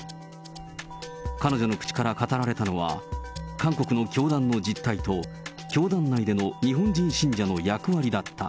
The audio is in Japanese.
彼女の口から語られたのは、韓国の教団の実態と教団内での日本人信者の役割だった。